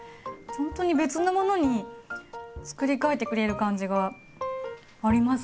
ほんとに別のものにつくり替えてくれる感じがありますね。